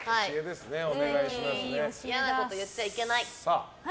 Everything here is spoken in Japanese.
嫌なこと言っちゃいけない。